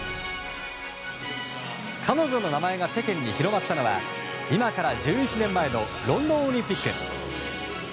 彼女の名前が世間に広まったのは今から１１年前のロンドンオリンピック。